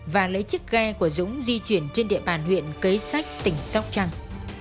và lấy chiếc ghe của dũng di chuyển trên địa bàn huyện cấy sách tỉnh sóc trăng